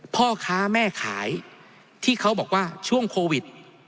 พ่อค้าแม่ขายที่เขาบอกว่าช่วงโควิด